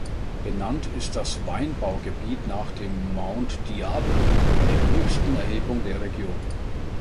Benannt ist das Weinbaugebiet nach dem Mount Diablo, der höchsten Erhebung der Region.